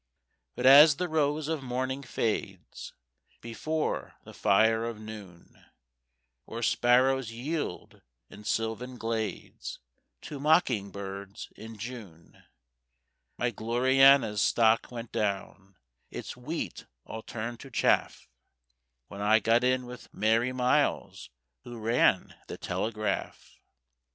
But as the rose of morning fades Before the fire of noon, Or sparrows yield in sylvan glades To mocking birds in June, My Gloriana's stock went down— Its wheat all turned to chaff— When I got in with Mary Miles, Who ran the telegraph.